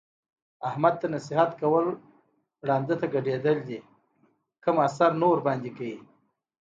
احمد ته نصیحت کول ړانده ته ګډېدل دي کوم اثر ورباندې نه کوي.